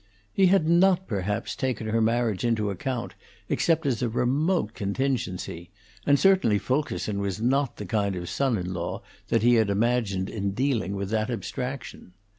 He had not perhaps taken her marriage into account, except as a remote contingency; and certainly Fulkerson was not the kind of son in law that he had imagined in dealing with that abstraction.